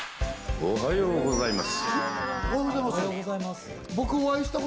おはようございます。